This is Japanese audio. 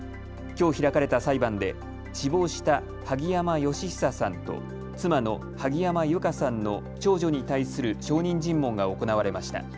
きょう開かれた裁判で、死亡した萩山嘉久さんと妻の萩山友香さんの長女に対する証人尋問が行われました。